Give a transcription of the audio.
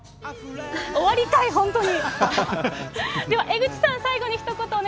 終わりかい、本当に。